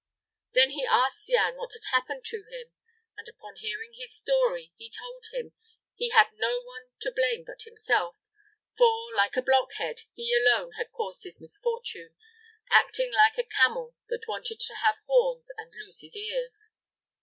Then he asked Cianne what had happened to him, and, upon hearing his story, he told him he had no one to blame but himself, for, like a blockhead, he alone had caused his misfortune, acting like a camel that wanted to have horns and lose his ears.